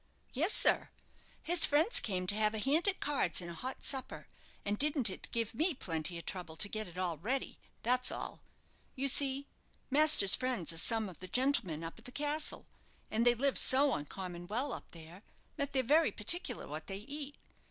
"Yes, sir. His friends came to have a hand at cards and a hot supper; and didn't it give me plenty of trouble to get it all ready, that's all. You see, master's friends are some of the gentlemen up at the castle; and they live so uncommon well up there, that they're very particular what they eat.